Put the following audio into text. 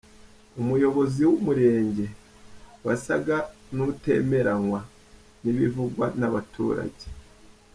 Umunyobozi w'umurenge wasaga n'utemeranywa n'ibivugwa n'abaturage.